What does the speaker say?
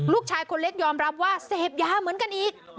ลูกชายคนเล็กยอมรับว่าเสพยาเหมือนกันอีก